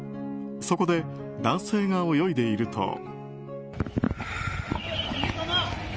そこで男性が泳いでいると。